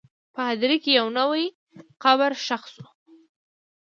په هدیره کې یو نوی قبر ښخ شو.